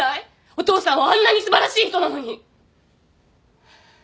お父さんはあんなに素晴らしい人なのに。